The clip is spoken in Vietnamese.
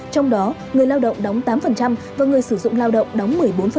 trong đó người lao động đóng tám và người sử dụng lao động đóng một mươi bốn